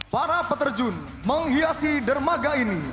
para peterjun menghiasi dermaga ini